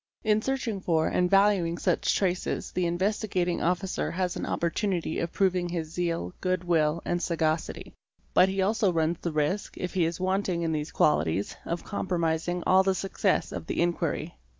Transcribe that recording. In searching for and valuing such traces the Investigating Officer has an opportunity of prov ing his zeal, good will, and sagacity, but he also runs the risk, if he is wanting in these qualities, of compromising all the success of the inquiry.